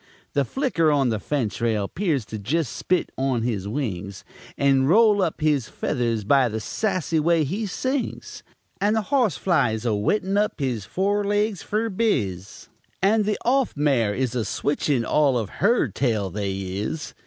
The flicker on the fence rail 'pears to jest spit on his wings And roll up his feathers, by the sassy way he sings; And the hoss fly is a whettin' up his forelegs fer biz, And the off mare is a switchin' all of her tale they is.